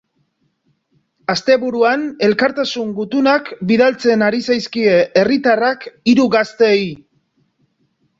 Asteburuan elkartasun gutunak bidaltzen ari zazkie herritarrak hiru gazteei.